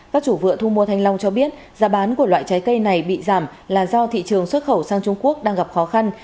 các chủ vựa thu mua thanh long cho biết giá bán của loại trái cây này bị giảm là do thị trường xuất khẩu sang trung quốc đang gặp khó khăn